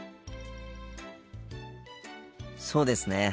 そうですね。